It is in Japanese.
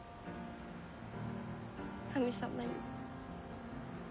神様に。